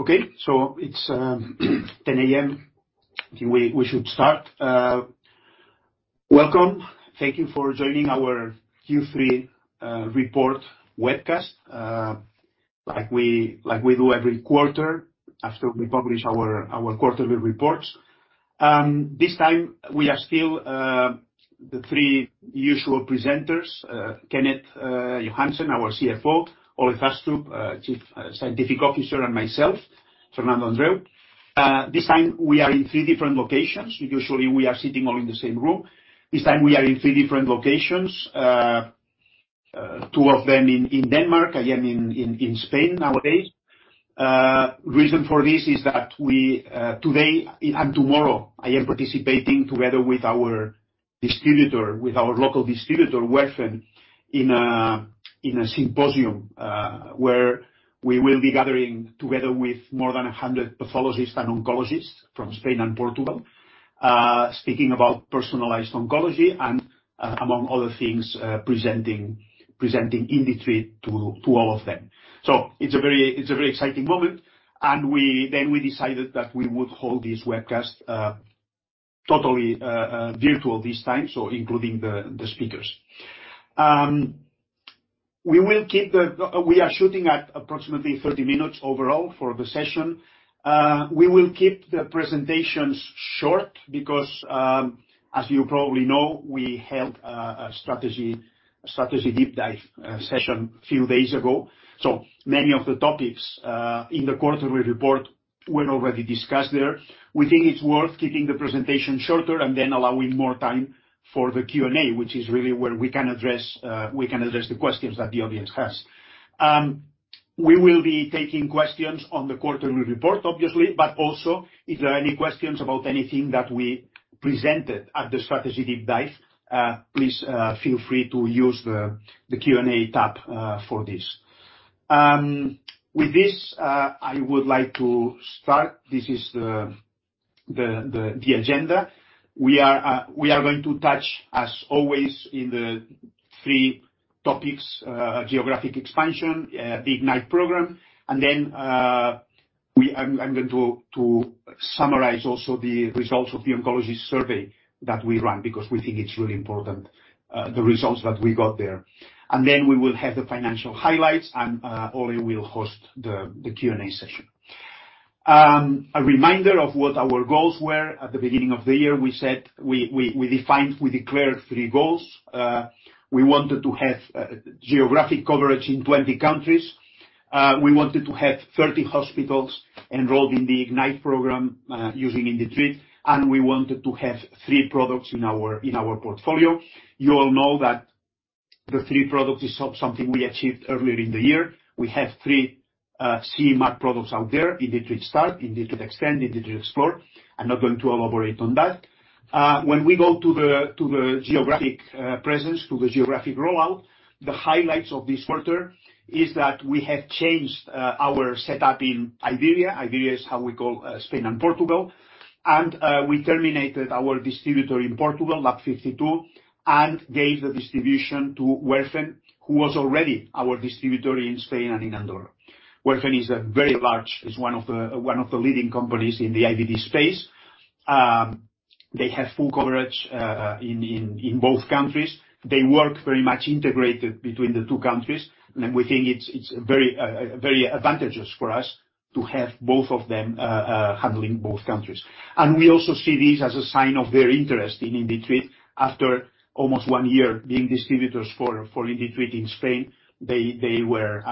Okay. It's 10:00 A.M. I think we should start. Welcome. Thank you for joining our Q3 report webcast. Like we do every quarter after we publish our quarterly reports. This time we are still the three usual presenters, Kenneth Johansen, our CFO, Ole Thastrup, Chief Scientific Officer, and myself, Fernando Andreu. This time we are in three different locations. Usually, we are sitting all in the same room. This time we are in three different locations. 2 of them in Denmark. I am in Spain nowadays. Reason for this is that we today and tomorrow I am participating together with our distributor, with our local distributor, Werfen, in a symposium where we will be gathering together with more than 100 pathologists and oncologists from Spain and Portugal, speaking about personalized oncology and among other things, presenting IndiTreat to all of them. It's a very, it's a very exciting moment. We decided that we would hold this webcast totally virtual this time, so including the speakers. We are shooting at approximately 30 minutes overall for the session. We will keep the presentations short because as you probably know, we held a strategy deep dive session few days ago. Many of the topics in the quarterly report were already discussed there. We think it's worth keeping the presentation shorter and then allowing more time for the Q&A, which is really where we can address the questions that the audience has. We will be taking questions on the quarterly report, obviously, but also if there are any questions about anything that we presented at the strategy deep dive, please feel free to use the Q&A tab for this. With this, I would like to start. This is the agenda. We are going to touch, as always, in the three topics, geographic expansion, the IGNITE program. And then we, I'm going to summarize also the results of the oncologist survey that we ran because we think it's really important, the results that we got there. Then we will have the financial highlights, and Ole will host the Q&A session. A reminder of what our goals were at the beginning of the year. We said we defined, we declared three goals. We wanted to have geographic coverage in 20 countries. We wanted to have 30 hospitals enrolled in the IGNITE program, using IndiTreat, and we wanted to have three products in our, in our portfolio. You all know that the three products is something we achieved earlier in the year. We have three CE-marked products out there, IndiTreat Start, IndiTreat Extend, IndiTreat Explore. I'm not going to elaborate on that. When we go to the, to the geographic presence, to the geographic rollout, the highlights of this quarter is that we have changed our setup in Iberia. Iberia is how we call Spain and Portugal. We terminated our distributor in Portugal, LAB52, and gave the distribution to Werfen, who was already our distributor in Spain and in Andorra. Werfen is one of the leading companies in the IVD space. They have full coverage in both countries. They work very much integrated between the two countries, and we think it's very advantageous for us to have both of them handling both countries. We also see this as a sign of their interest in IndiTreat. After almost one year being distributors for IndiTreat in Spain, they were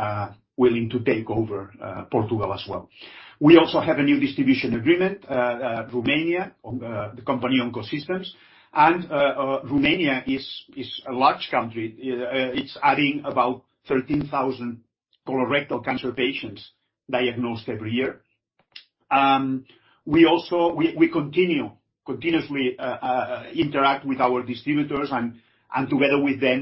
willing to take over Portugal as well. We also have a new distribution agreement, Romania, the company Onco Systems. Romania is a large country. It's adding about 13,000 colorectal cancer patients diagnosed every year. We also. We continue, continuously interact with our distributors and together with them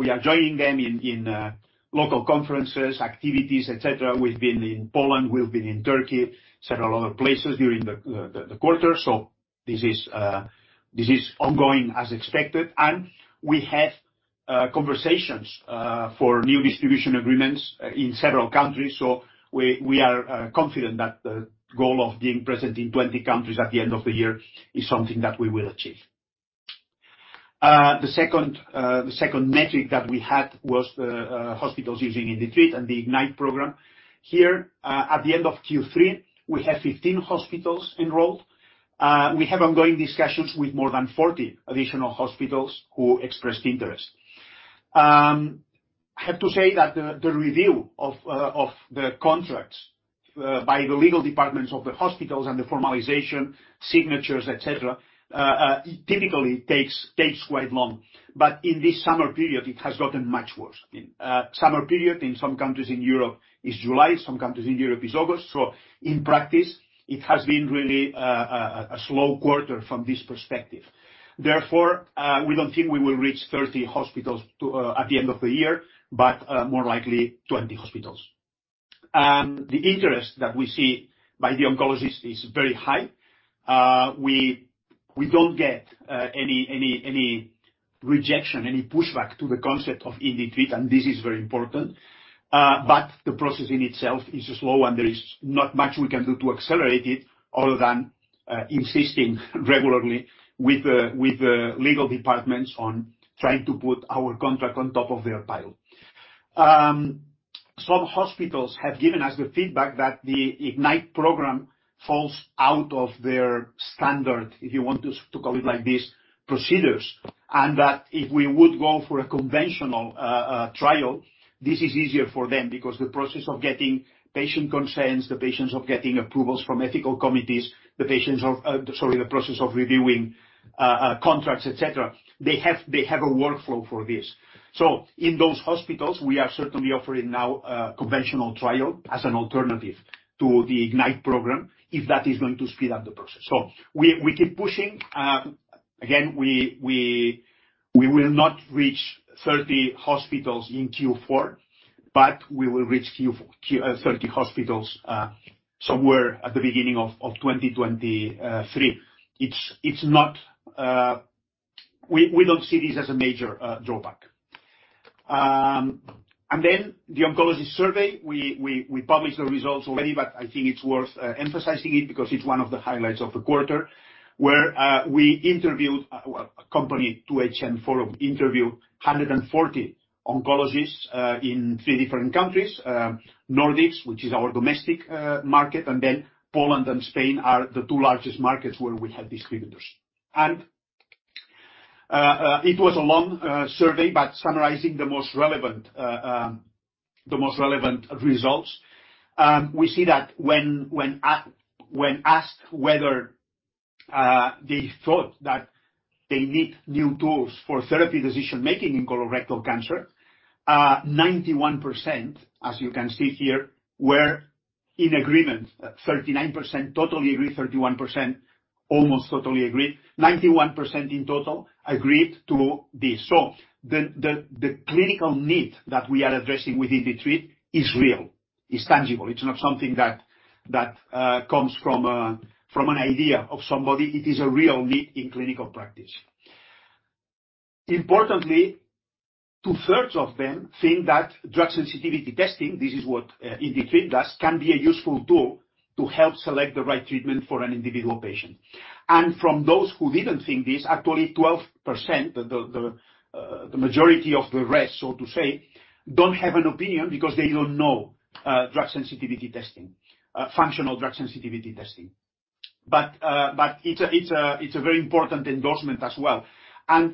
we are joining them in local conferences, activities, et cetera. We've been in Poland, we've been in Turkey, several other places during the quarter. This is ongoing as expected. We have conversations for new distribution agreements in several countries. We are confident that the goal of being present in 20 countries at the end of the year is something that we will achieve. The second metric that we had was the hospitals using IndiTreat and the IGNITE program. Here, at the end of Q3, we have 15 hospitals enrolled. We have ongoing discussions with more than 40 additional hospitals who expressed interest. I have to say that the review of the contracts by the legal departments of the hospitals and the formalization, signatures, et cetera, typically takes quite long. In this summer period, it has gotten much worse. In summer period in some countries in Europe is July, some countries in Europe is August, in practice it has been really a slow quarter from this perspective. We don't think we will reach 30 hospitals to at the end of the year, but more likely 20 hospitals. The interest that we see by the oncologist is very high. We don't get any rejection, any pushback to the concept of IndiTreat, and this is very important. The process in itself is slow, and there is not much we can do to accelerate it other than insisting regularly with the legal departments on trying to put our contract on top of their pile. Some hospitals have given us the feedback that the IGNITE program falls out of their standard, if you want to call it like this, procedures, and that if we would go for a conventional trial, this is easier for them because the process of getting patient consent, the process of getting approvals from ethical committees, the process of reviewing contracts, et cetera, they have a workflow for this. In those hospitals, we are certainly offering now a conventional trial as an alternative to the IGNITE program, if that is going to speed up the process. We keep pushing. Again, we will not reach 30 hospitals in Q4, but we will reach 30 hospitals somewhere at the beginning of 2023. It's not. We don't see this as a major drawback. The oncologist survey, we published the results already, but I think it's worth emphasizing it because it's one of the highlights of the quarter, where we interviewed a company, 2HM, interviewed 140 oncologists in three different countries, Nordics, which is our domestic market, Poland and Spain are the two largest markets where we have distributors. It was a long survey, summarizing the most relevant results, we see that when asked whether they thought that they need new tools for therapy decision-making in colorectal cancer, 91%, as you can see here, were in agreement. 39% totally agree, 31% almost totally agree. 91% in total agreed to this. The clinical need that we are addressing with IndiTreat is real, is tangible. It's not something that comes from an idea of somebody. It is a real need in clinical practice. Importantly, 2/3 of them think that drug sensitivity testing, this is what IndiTreat does, can be a useful tool to help select the right treatment for an individual patient. From those who didn't think this, actually 12%, the majority of the rest, so to say, don't have an opinion because they don't know drug sensitivity testing, functional drug sensitivity testing. it's a very important endorsement as well.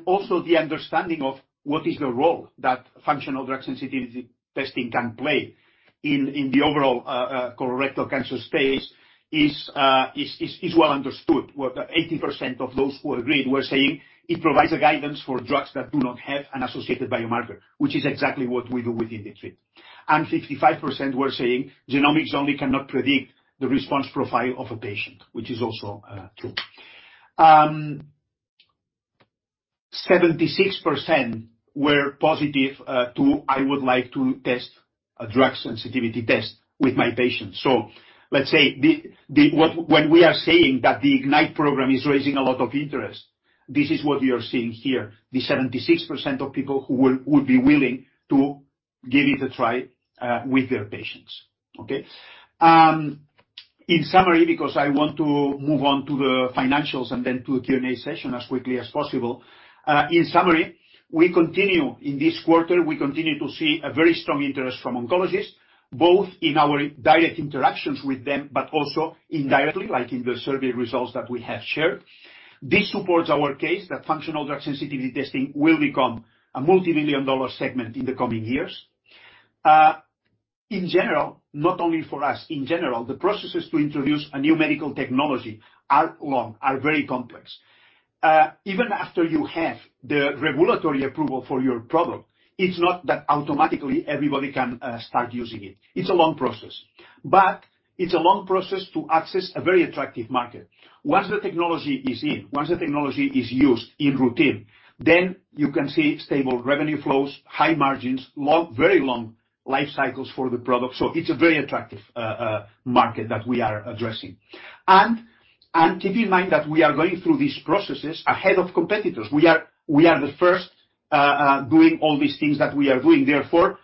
Also the understanding of what is the role that functional drug sensitivity testing can play in the overall colorectal cancer space is well understood. Well, 80% of those who agreed were saying it provides a guidance for drugs that do not have an associated biomarker, which is exactly what we do with IndiTreat. 55% were saying genomics only cannot predict the response profile of a patient, which is also true. 76% were positive to "I would like to test a drug sensitivity test with my patients." Let's say the what. When we are saying that the IGNITE program is raising a lot of interest, this is what we are seeing here, the 76% of people who would be willing to give it a try with their patients, okay? In summary, because I want to move on to the financials and then to a Q&A session as quickly as possible. In summary, we continue to see a very strong interest from oncologists, both in our direct interactions with them, but also indirectly, like in the survey results that we have shared. This supports our case that functional drug sensitivity testing will become a multimillion-dollar segment in the coming years. In general, not only for us, in general, the processes to introduce a new medical technology are long, are very complex. Even after you have the regulatory approval for your product, it's not that automatically everybody can start using it. It's a long process. It's a long process to access a very attractive market. Once the technology is in, once the technology is used in routine, then you can see stable revenue flows, high margins, long, very long life cycles for the product. It's a very attractive market that we are addressing. Keep in mind that we are going through these processes ahead of competitors. We are the first doing all these things that we are doing. Therefore,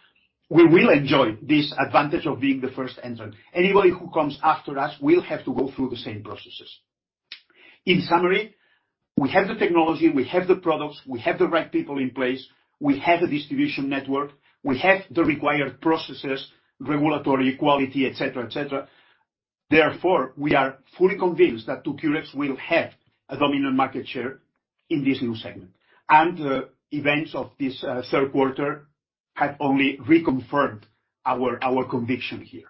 we will enjoy this advantage of being the first entrant. Anybody who comes after us will have to go through the same processes. In summary, we have the technology, we have the products, we have the right people in place, we have the distribution network, we have the required processes, regulatory quality, et cetera, et cetera. Therefore, we are fully convinced that 2cureX will have a dominant market share in this new segment. The events of this third quarter have only reconfirmed our conviction here.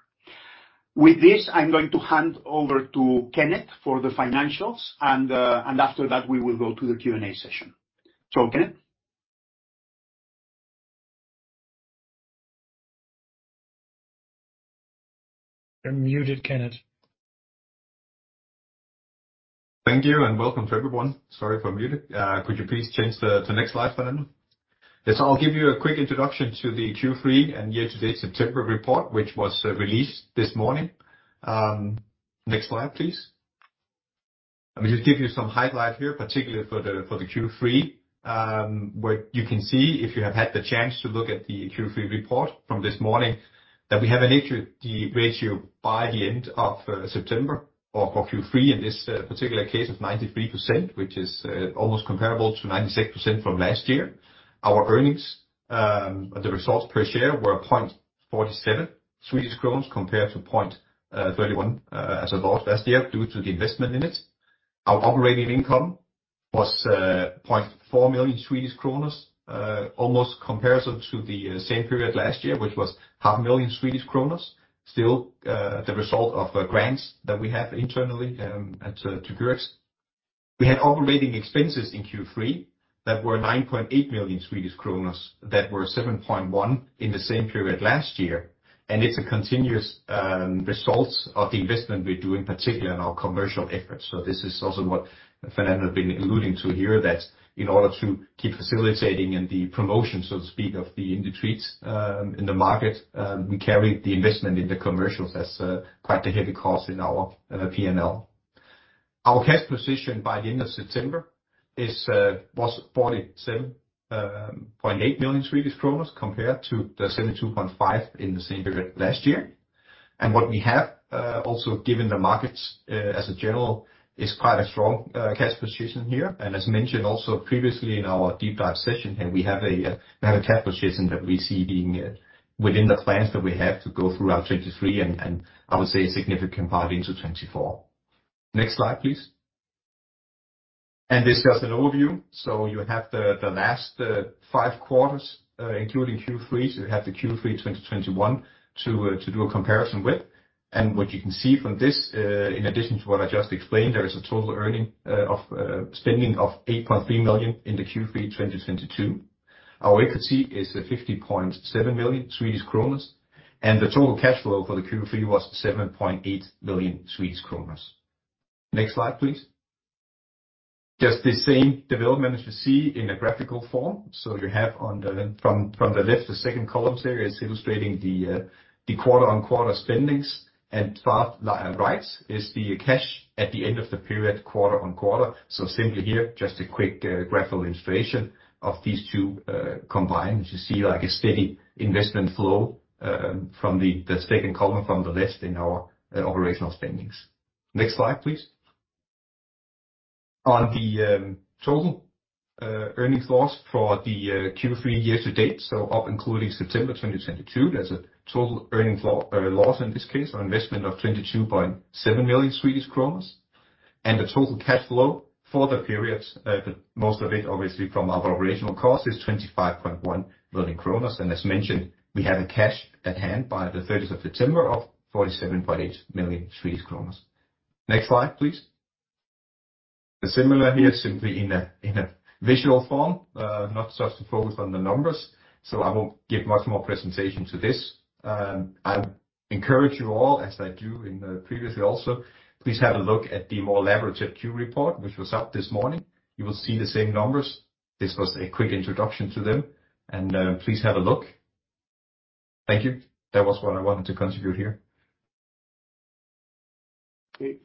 With this, I'm going to hand over to Kenneth for the financials and after that, we will go to the Q&A session. Kenneth. You're muted, Kenneth. Thank you and welcome to everyone. Sorry for muting. Could you please change the next slide for me? Yes, I'll give you a quick introduction to the Q3 and year-to-date September report, which was released this morning. Next slide, please. Let me just give you some highlights here, particularly for the Q3, where you can see if you have had the chance to look at the Q3 report from this morning, that we have a liquidity ratio by the end of September or for Q3, in this particular case of 93%, which is almost comparable to 96% from last year. Our earnings, the results per share were 0.47 compared to 0.31 as of last year due to the investment in it. Our operating income was 0.4 million Swedish kronor, almost comparison to the same period last year, which was 500,000 Swedish kronor. Still, the result of grants that we have internally at 2cureX. We had operating expenses in Q3 that were 9.8 million Swedish kronor, that were 7.1 million in the same period last year. It's a continuous results of the investment we do, in particular in our commercial efforts. This is also what Fernando have been alluding to here, that in order to keep facilitating and the promotion, so to speak, of the IndiTreat in the market, we carry the investment in the commercials as quite a heavy cost in our P&L. Our cash position by the end of September is, was 47.8 million, compared to 72.5 million in the same period last year. What we have also given the markets as a general, is quite a strong cash position here. As mentioned also previously in our deep dive session, we have a cash position that we see being within the plans that we have to go throughout 2023 and I would say a significant part into 2024. Next slide, please. This is just an overview. You have the last five quarters, including Q3. You have the Q3 2021 to do a comparison with. What you can see from this, in addition to what I just explained, there is a total earning of spending of 8.3 million in Q3 2022. Our equity is 50.7 million Swedish kronor. The total cash flow for Q3 was 7.8 million Swedish kronor. Next slide, please. Just the same development as you see in a graphical form. You have from the left, the second column series illustrating the quarter-on-quarter spendings, and far right is the cash at the end of the period, quarter-on-quarter. Simply here, just a quick graphical illustration of these two combined. You see like a steady investment flow from the second column from the list in our operational spendings. Next slide, please. On the total earnings loss for the Q3 year to date, so up including September 2022, there's a total earnings loss in this case or investment of 22.7 million Swedish kronor. The total cash flow for the period, most of it obviously from our operational costs, is 25.1 million kronor. As mentioned, we have a cash at hand by the 30th of September of 47.8 million Swedish kronor. Next slide, please. Similar here, simply in a visual form, not such to focus on the numbers, so I won't give much more presentation to this. I encourage you all, as I do in previously also, please have a look at the more elaborate Q report, which was up this morning. You will see the same numbers. This was a quick introduction to them. Please have a look. Thank you. That was what I wanted to contribute here. Okay.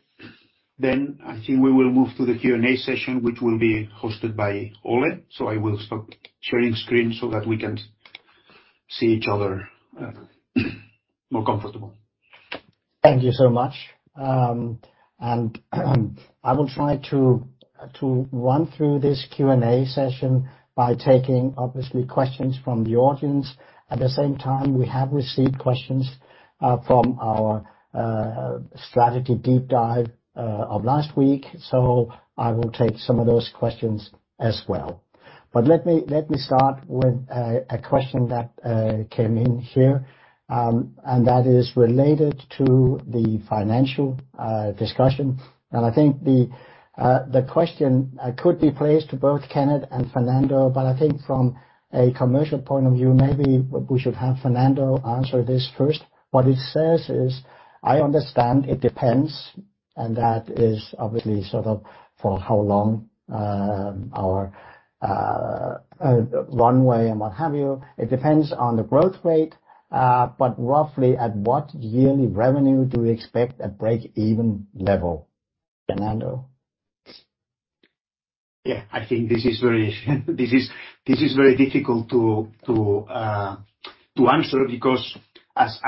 I think we will move to the Q&A session, which will be hosted by Ole. I will stop sharing screen so that we can see each other, more comfortable. Thank you so much. I will try to run through this Q&A session by taking obviously questions from the audience. At the same time, we have received questions from our strategy deep dive of last week. I will take some of those questions as well. Let me start with a question that came in here, and that is related to the financial discussion. I think the question could be placed to both Kenneth and Fernando, but I think from a commercial point of view, maybe we should have Fernando answer this first. What it says is, I understand it depends, and that is obviously sort of for how long our runway and what have you. It depends on the growth rate, roughly at what yearly revenue do we expect at break-even level? Fernando? Yeah. I think this is very difficult to answer because as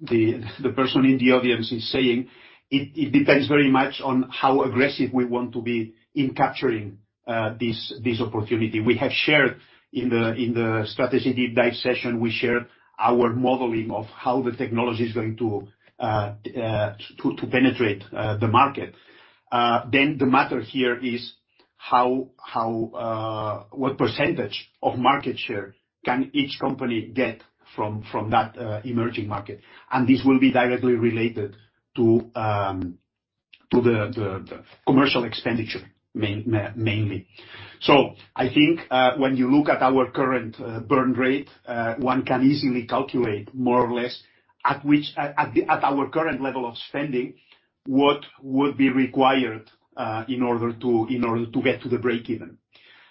the person in the audience is saying, it depends very much on how aggressive we want to be in capturing this opportunity. We have shared in the strategy deep dive session, we shared our modeling of how the technology is going to penetrate the market. Then the matter here is how what percentage of market share can each company get from that emerging market. This will be directly related to the commercial expenditure mainly. I think when you look at our current burn rate, one can easily calculate more or less at which, at our current level of spending, what would be required in order to get to the break even.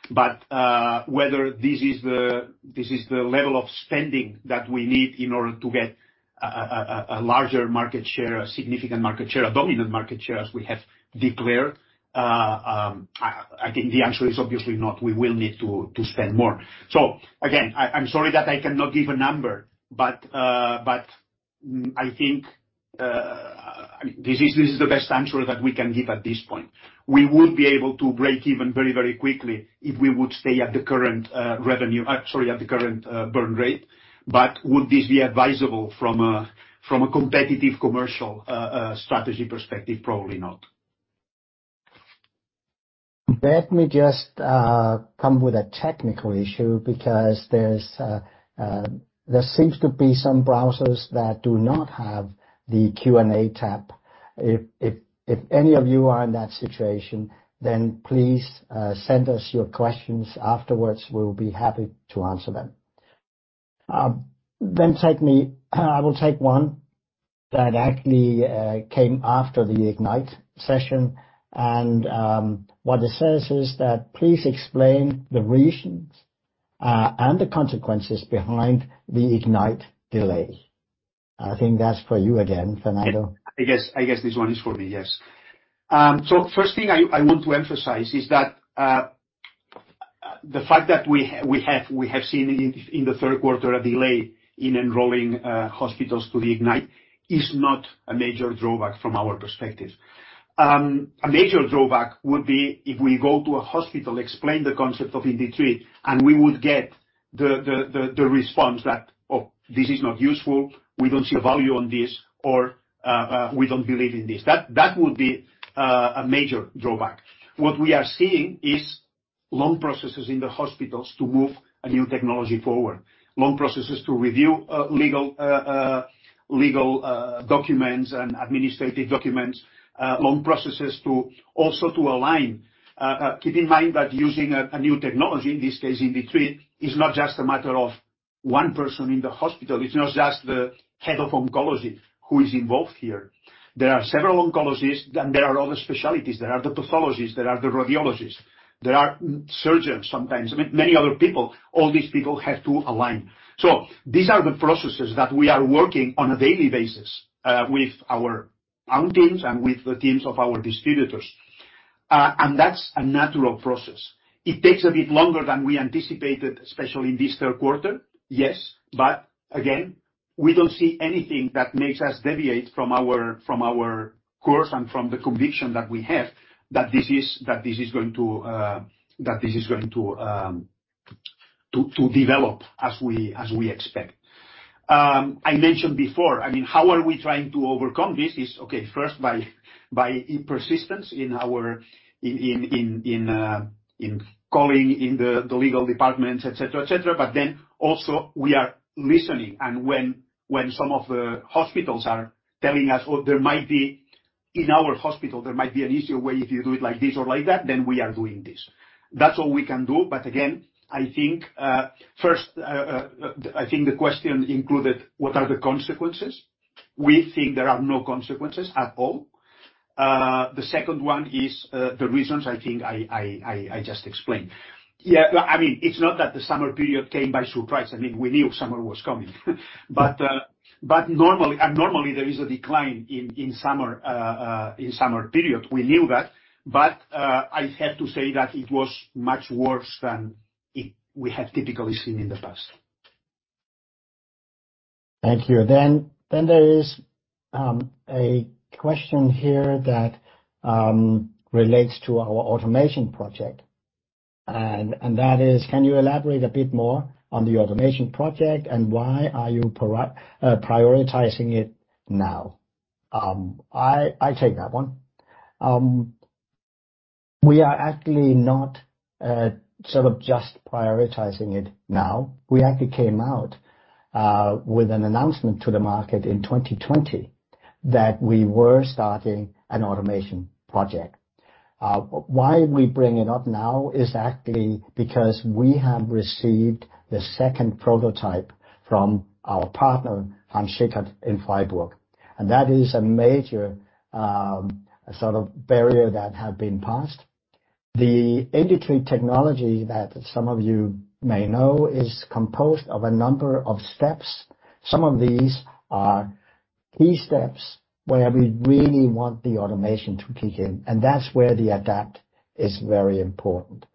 Whether this is the level of spending that we need in order to get a larger market share, a significant market share, a dominant market share, as we have declared. I think the answer is obviously not. We will need to spend more. Again, I'm sorry that I cannot give a number, but I think this is the best answer that we can give at this point. We would be able to break even very, very quickly if we would stay at the current, revenue, sorry, at the current, burn rate. Would this be advisable from a competitive commercial, strategy perspective? Probably not. Let me just come with a technical issue because there's there seems to be some browsers that do not have the Q&A tab. If any of you are in that situation, please send us your questions afterwards. We'll be happy to answer them. I will take one that actually came after the IGNITE session, what it says is that please explain the reasons and the consequences behind the IGNITE delay. I think that's for you again, Fernando. I guess this one is for me, yes. First thing I want to emphasize is that the fact that we have seen in the third quarter a delay in enrolling hospitals to the IGNITE is not a major drawback from our perspective. A major drawback would be if we go to a hospital, explain the concept of IndiTreat, and we would get the response that, "Oh, this is not useful. We don't see value on this," or, "We don't believe in this." That would be a major drawback. What we are seeing is long processes in the hospitals to move a new technology forward. Long processes to review legal documents and administrative documents. Long processes to also align. Keep in mind that using a new technology, in this case IndiTreat, is not just a matter of one person in the hospital. It's not just the head of oncology who is involved here. There are several oncologists and there are other specialties. There are the pathologists, there are the radiologists, there are surgeons, sometimes, many other people. All these people have to align. These are the processes that we are working on a daily basis with our own teams and with the teams of our distributors. That's a natural process. It takes a bit longer than we anticipated, especially in this third quarter, yes. Again, we don't see anything that makes us deviate from our course and from the conviction that we have that this is going to develop as we expect. I mentioned before, I mean, how are we trying to overcome this is, okay, first by persistence in our calling in the legal departments, et cetera. Also we are listening and when some of the hospitals are telling us, "Oh, there might be... In our hospital, there might be an easier way if you do it like this or like that," then we are doing this. That's all we can do. Again, I think the question included what are the consequences? We think there are no consequences at all. The second one is the reasons I think I just explained. It's not that the summer period came by surprise. We knew summer was coming. Normally, and normally there is a decline in summer, in summer period. We knew that. I have to say that it was much worse than it we have typically seen in the past. Thank you. There is a question here that relates to our automation project. That is, can you elaborate a bit more on the automation project, and why are you prioritizing it now? I take that one. We are actually not sort of just prioritizing it now. We actually came out with an announcement to the market in 2020 that we were starting an automation project. We bring it up now is actually because we have received the second prototype from our partner, Hahn-Schickard, in Freiburg. That is a major sort of barrier that have been passed. The IndiTreat technology that some of you may know is composed of a number of steps. Some of these are key steps where we really want the automation to kick in, and that's where the ADAPT is very important.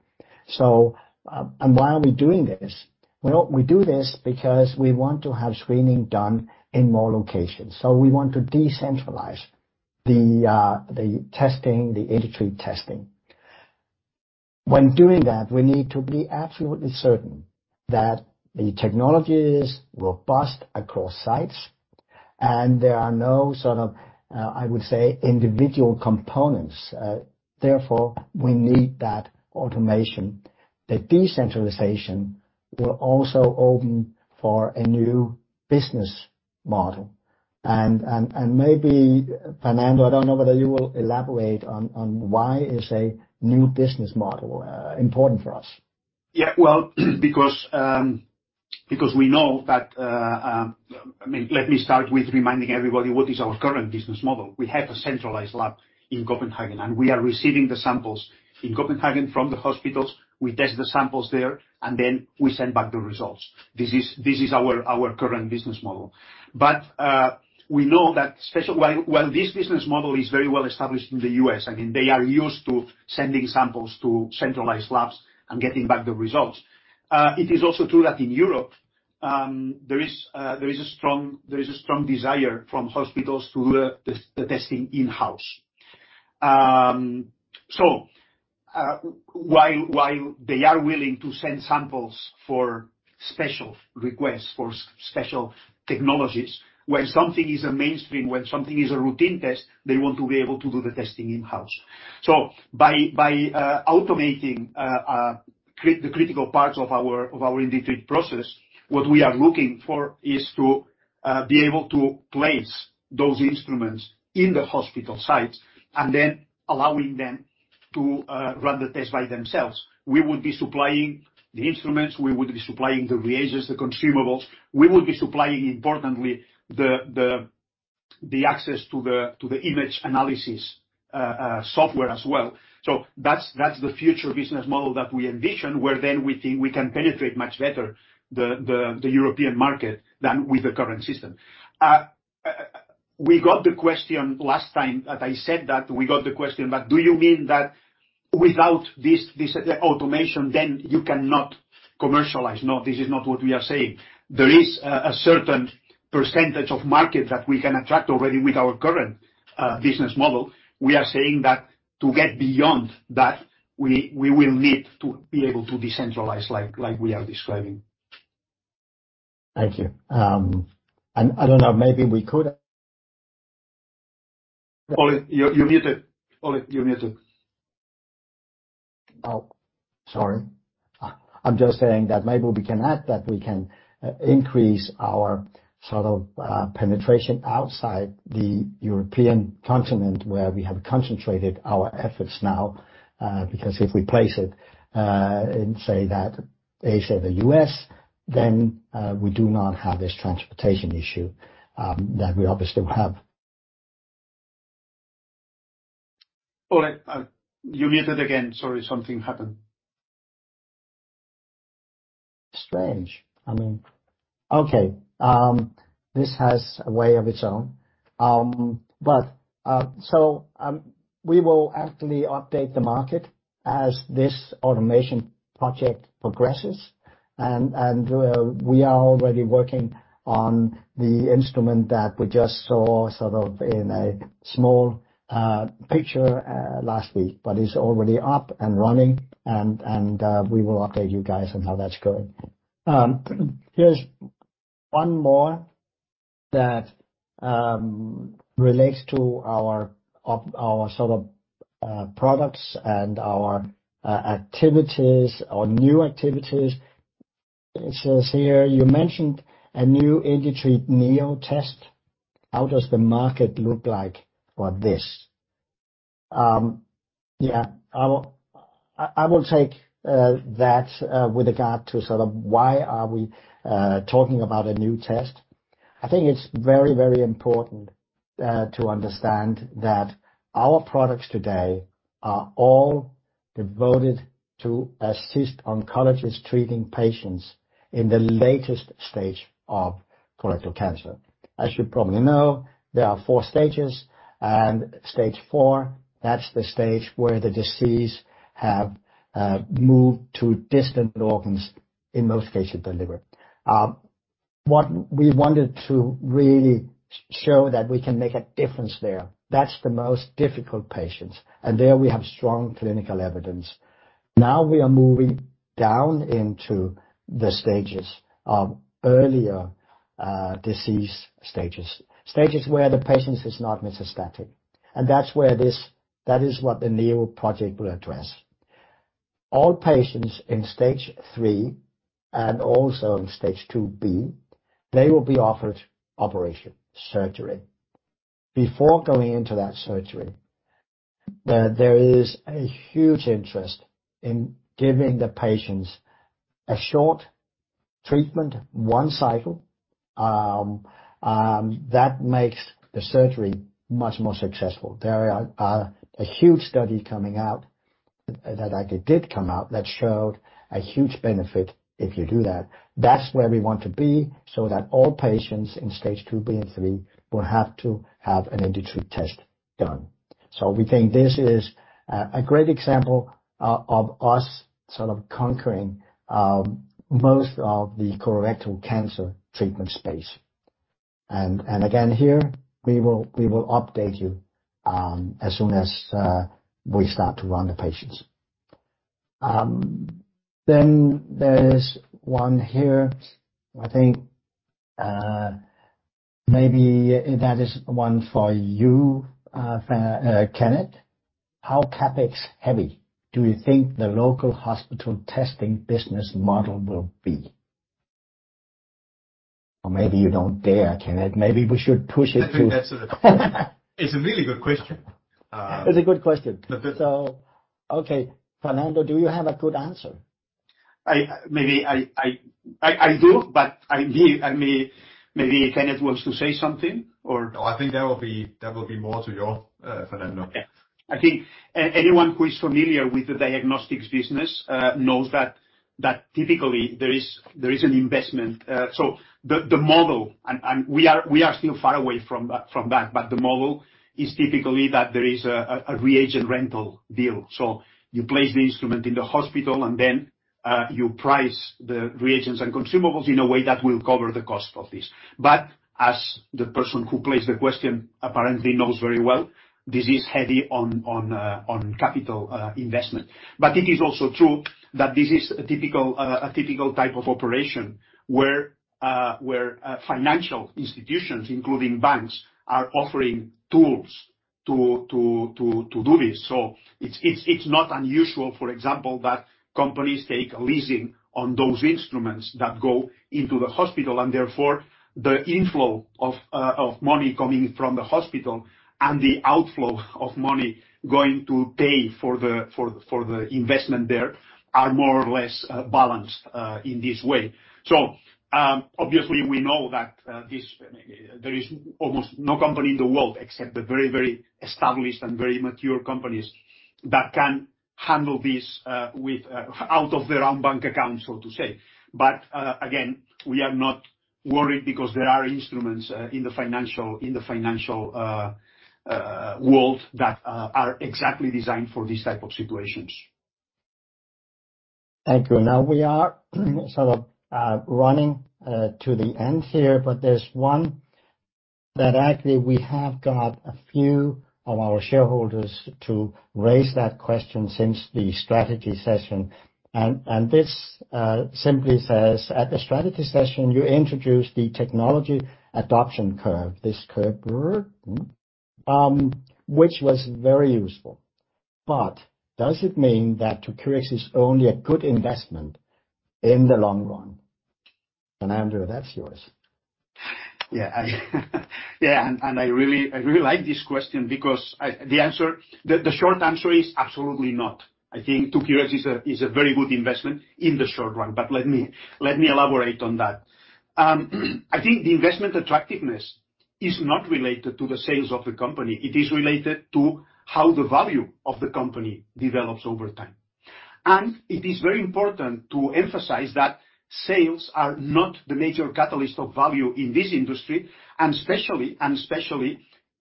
Why are we doing this? Well, we do this because we want to have screening done in more locations, so we want to decentralize the testing, the IndiTreat testing. When doing that, we need to be absolutely certain that the technology is robust across sites and there are no sort of, I would say, individual components. Therefore, we need that automation. The decentralization will also open for a new business model. Maybe, Fernando, I don't know whether you will elaborate on why is a new business model important for us. Yeah, well, because we know that, I mean, let me start with reminding everybody what is our current business model. We have a centralized lab in Copenhagen. We are receiving the samples in Copenhagen from the hospitals. We test the samples there. Then we send back the results. This is our current business model. We know that while this business model is very well established in the U.S., I mean, they are used to sending samples to centralized labs and getting back the results. It is also true that in Europe, there is a strong desire from hospitals to do the testing in-house. While they are willing to send samples for special requests, for special technologies, when something is a mainstream, when something is a routine test, they want to be able to do the testing in-house. So by automating the critical parts of our IndiTreat process, what we are looking for is to be able to place those instruments in the hospital sites and then allowing them to run the tests by themselves. We would be supplying the instruments, we would be supplying the reagents, the consumables. We would be supplying, importantly, the access to the image analysis software as well. So that's the future business model that we envision, where then we think we can penetrate much better the European market than with the current system. We got the question last time that I said that, we got the question, "But do you mean that without this automation, then you cannot commercialize?" No, this is not what we are saying. There is a certain percentage of market that we can attract already with our current business model. We are saying that to get beyond that, we will need to be able to decentralize like we are describing. Thank you. I don't know, maybe we could. Ole, you're muted. Ole, you're muted. Sorry. I'm just saying that maybe we can add that we can increase our sort of penetration outside the European continent, where we have concentrated our efforts now. Because if we place it in, say that Asia or the U.S., then we do not have this transportation issue that we obviously have. Ole, you're muted again. Sorry, something happened. Strange. I mean... Okay. This has a way of its own. We will actually update the market as this automation project progresses, and we are already working on the instrument that we just saw sort of in a small picture last week. It's already up and running and we will update you guys on how that's going. Here's one more that relates to our sort of products and our activities or new activities. It says here, you mentioned a new IndiTreat Neo test. How does the market look like for this? Yeah. I will take that with regard to sort of why are we talking about a new test. I think it's very, very important to understand that our products today are all devoted to assist oncologists treating patients in the latest stage of colorectal cancer. As you probably know, there are four stages, and stage 4, that's the stage where the disease have moved to distant organs, in most cases the liver. What we wanted to really show that we can make a difference there. That's the most difficult patients. There we have strong clinical evidence. Now we are moving down into the stages of earlier disease stages. Stages where the patient is not metastatic. That's where this. That is what the NEO project will address. All patients in stage 3 and also in stage 2B, they will be offered operation, surgery. Before going into that surgery, there is a huge interest in giving the patients a short treatment, one cycle, that makes the surgery much more successful. There are a huge study coming out, that actually did come out, that showed a huge benefit if you do that. That's where we want to be, so that all patients in stage 2B and 3 will have to have an IndiTreat test done. We think this is a great example of us sort of conquering most of the colorectal cancer treatment space. Again, here, we will update you as soon as we start to run the patients. There is one here, I think, maybe that is one for you, Kenneth. How CapEx heavy do you think the local hospital testing business model will be? Maybe you don't dare, Kenneth. Maybe we should push it to I think that's a, it's a really good question. It's a good question. But the- Okay, Fernando, do you have a good answer? I, maybe I do, but maybe Kenneth wants to say something or- No, I think that would be more to you, Fernando. I think anyone who is familiar with the diagnostics business knows that typically there is an investment. The model and we are still far away from that, but the model is typically that there is a reagent rental deal. You place the instrument in the hospital, and then you price the reagents and consumables in a way that will cover the cost of this. As the person who placed the question apparently knows very well, this is heavy on capital investment. It is also true that this is a typical type of operation where financial institutions, including banks, are offering tools to do this. It's not unusual, for example, that companies take a leasing on those instruments that go into the hospital, and therefore the inflow of money coming from the hospital and the outflow of money going to pay for the investment there are more or less balanced in this way. Obviously we know that there is almost no company in the world except the very, very established and very mature companies that can handle this with out of their own bank account, so to say. Again, we are not worried because there are instruments in the financial world that are exactly designed for these type of situations. Thank you. We are sort of running to the end here, but there's one that actually we have got a few of our shareholders to raise that question since the strategy session. This simply says: At the strategy session, you introduced the technology adoption curve, this curve, which was very useful. Does it mean that 2cureX is only a good investment in the long run? Fernando, that's yours. Yeah. Yeah. I really like this question because the short answer is absolutely not. I think 2cureX is a very good investment in the short run, but let me elaborate on that. I think the investment attractiveness is not related to the sales of the company. It is related to how the value of the company develops over time. It is very important to emphasize that sales are not the major catalyst of value in this industry, and especially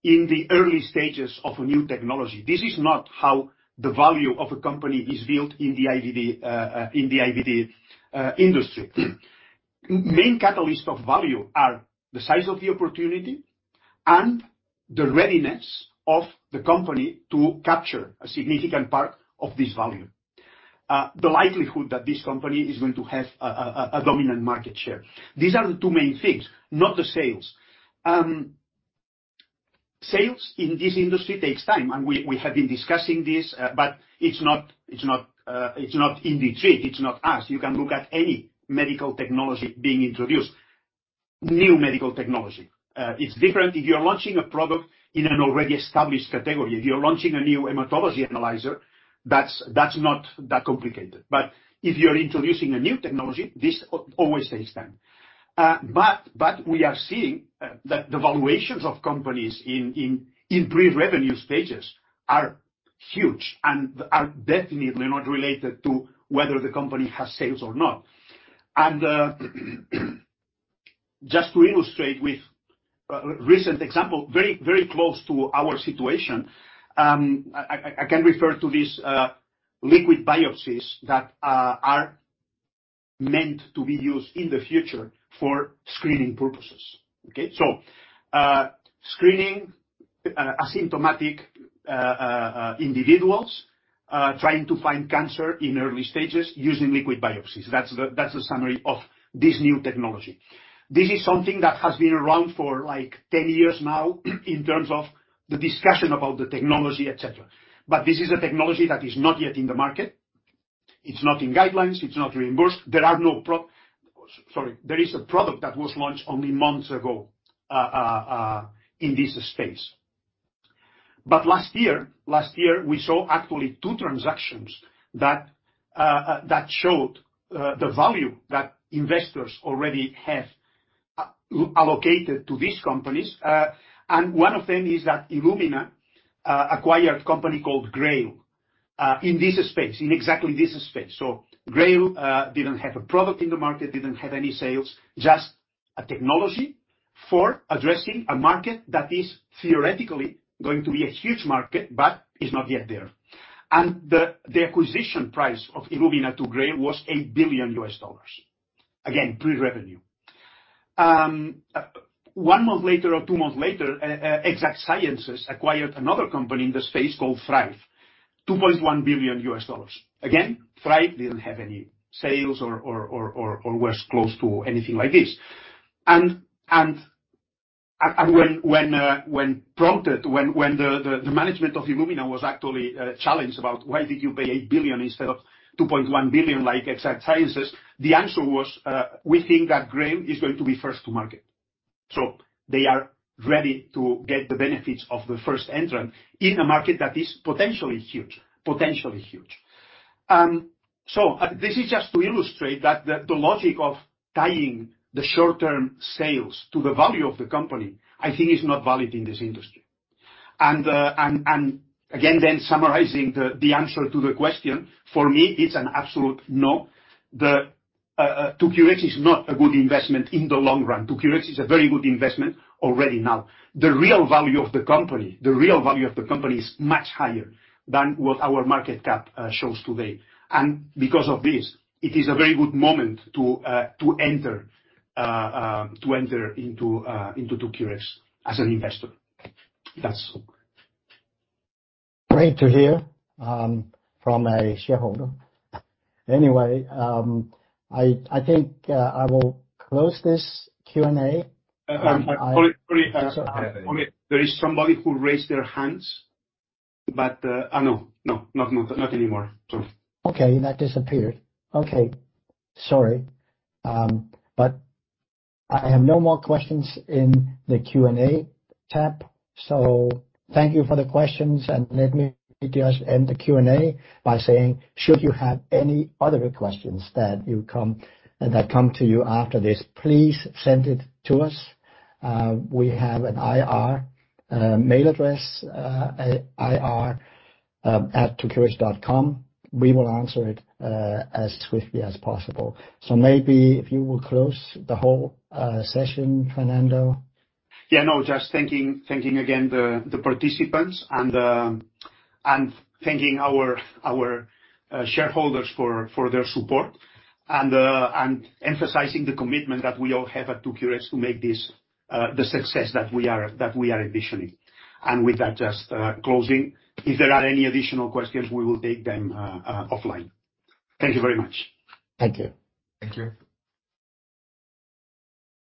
in the early stages of a new technology. This is not how the value of a company is built in the IVD in the IVD industry. Main catalyst of value are the size of the opportunity and the readiness of the company to capture a significant part of this value. The likelihood that this company is going to have a dominant market share. These are the two main things, not the sales. Sales in this industry takes time, and we have been discussing this, but it's not, it's not IndiTreat. It's not us. You can look at any medical technology being introduced, new medical technology. It's different if you're launching a product in an already established category. If you're launching a new hematology analyzer, that's not that complicated. But if you're introducing a new technology, this always takes time. But we are seeing that the valuations of companies in pre-revenue stages are huge and are definitely not related to whether the company has sales or not. Just to illustrate with a recent example, very, very close to our situation, I can refer to this liquid biopsies that are meant to be used in the future for screening purposes. Okay? Screening asymptomatic individuals trying to find cancer in early stages using liquid biopsies. That's the summary of this new technology. This is something that has been around for, like, 10 years now in terms of the discussion about the technology, et cetera. This is a technology that is not yet in the market. It's not in guidelines. It's not reimbursed. There is a product that was launched only months ago in this space. Last year, last year, we saw actually two transactions that showed the value that investors already have allocated to these companies. One of them is that Illumina acquired a company called GRAIL in this space, in exactly this space. GRAIL didn't have a product in the market, didn't have any sales, just a technology for addressing a market that is theoretically going to be a huge market, but is not yet there. The acquisition price of Illumina to GRAIL was $8 billion. Again, pre-revenue. One month later or two months later, Exact Sciences acquired another company in the space called Thrive, $2.1 billion. Again, Thrive didn't have any sales or was close to anything like this. When prompted, when the management of Illumina was actually challenged about why did you pay $8 billion instead of $2.1 billion like Exact Sciences, the answer was, we think that Graham is going to be first to market. They are ready to get the benefits of the first entrant in a market that is potentially huge. Potentially huge. This is just to illustrate that the logic of tying the short-term sales to the value of the company, I think, is not valid in this industry. Again, then summarizing the answer to the question, for me, it's an absolute no. The 2cureX is not a good investment in the long run. 2cureX is a very good investment already now. The real value of the company is much higher than what our market cap shows today. Because of this, it is a very good moment to enter into 2cureX as an investor. That's all. Great to hear, from a shareholder. Anyway, I think, I will close this Q&A. Sorry. Sorry. There is somebody who raised their hands, but no. Not anymore. Sorry. Okay, that disappeared. Okay. Sorry. I have no more questions in the Q&A tab, so thank you for the questions, and let me just end the Q&A by saying, should you have any other questions that come to you after this, please send it to us. We have an IR mail address, IR@2cureX.com. We will answer it as swiftly as possible. Maybe if you will close the whole session, Fernando. Yeah, no, just thanking again the participants and thanking our shareholders for their support. Emphasizing the commitment that we all have at 2cureX to make this the success that we are envisioning. With that, just closing. If there are any additional questions, we will take them offline. Thank you very much. Thank you. Thank you.